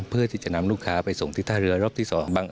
เพื่อที่จะนำลูกค้าไปที่ส่งท่าเรือรอบที่สอง